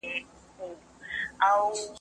سیاست پوهنه د راتلونکي نسل د بریا راز دی.